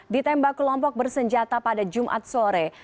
ditembak kelompok bersenjata pada jumat sore